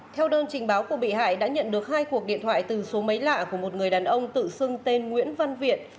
theo đơn trình báo của bị hại đã nhận được hai cuộc điện thoại từ số máy lạ của một người đàn ông tự xưng tên nguyễn văn viện